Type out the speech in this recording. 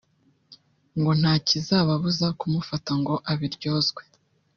ngo nta kizababuza kumufata ngo abiryozwe